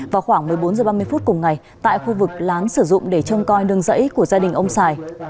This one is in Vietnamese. vào khoảng một mươi bốn h ba mươi phút cùng ngày tại khu vực lán sử dụng để trông coi nương rẫy của gia đình ông sài